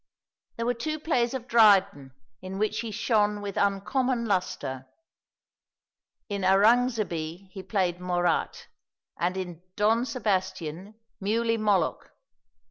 There were two plays of Dryden in which he shone with uncommon lustre; in 'Arungzebe,' he played Morat, and in 'Don Sebastian' Muley Moloch.